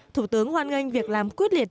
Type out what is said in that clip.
thủ tướng hoan nghênh việc làm quyết liệt